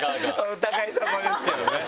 お互いさまですよね。